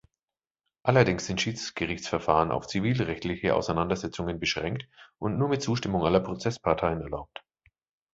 Allerdings sind Schiedsgerichtsverfahren auf zivilrechtliche Auseinandersetzungen beschränkt und nur mit Zustimmung aller Prozessparteien erlaubt.